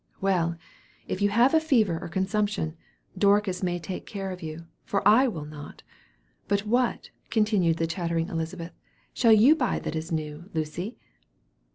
"Well, if you have a fever or consumption, Dorcas may take care of you, for I will not; but what," continued the chattering Elizabeth, "shall you buy that is new, Lucy?"